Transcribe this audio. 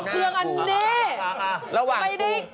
เออเออช่วงอันนี้